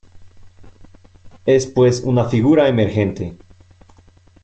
Es pues una figura emergente.